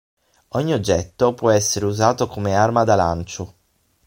Ogni oggetto può essere usato come arma da lancio.